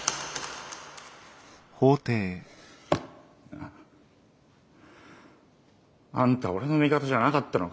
なああんた俺の味方じゃなかったのかよ。